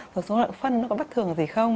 số lượng phân nó có bất thường gì không